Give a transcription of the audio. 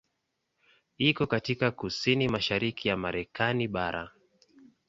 Iko katika kusini mashariki ya Marekani bara.